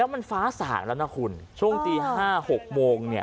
มันฟ้าศาลแล้วนะคุณช่วงตี๕โมงครึ่ง